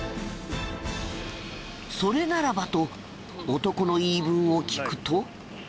それならばと男の言い分を聞くと。